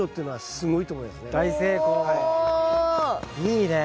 いいねえ。